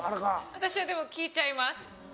私はでも聞いちゃいます。